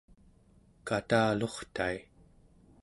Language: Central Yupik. katalurtai